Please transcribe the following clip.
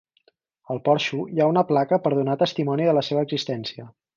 Al porxo hi ha una placa per donar testimoni de la seva existència.